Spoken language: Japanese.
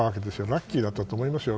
ラッキーだったと思いますよ。